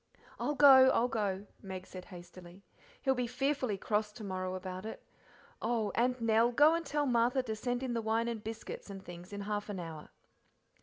"I'll go, I'll go," Meg said hastily, "he'll be fearfully cross to morrow about it. Oh! and, Nell, go and tell Martha to send in the wine and biscuits and things in half an hour."